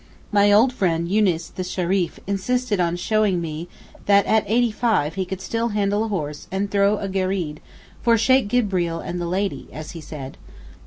My old friend Yunis the Shereef insisted on showing me that at eighty five he could still handle a horse and throw a Gereed 'for Sheykh Gibreel and the Lady' as he said.